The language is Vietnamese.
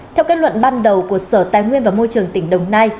theo kết luận ban đầu của sở tài nguyên và môi trường tỉnh đồng nai